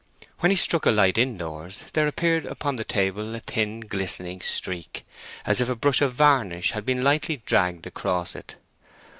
When he struck a light indoors there appeared upon the table a thin glistening streak, as if a brush of varnish had been lightly dragged across it.